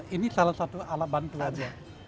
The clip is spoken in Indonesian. ini salah satu alat bantu saja